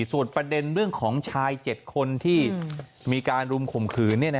ส่วนประเด็นเรื่องของชาย๗คนที่มีการรุมข่มขืน